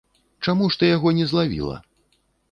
Чаму ж ты яго не злавіла?